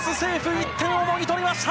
１点をもぎ取りました！